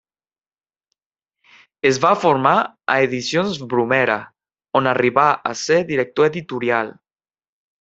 Es va formar a Edicions Bromera, on arribà a ser director editorial.